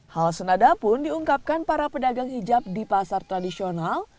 hal senada pun diungkapkan para pedagang hijab di pasar tradisional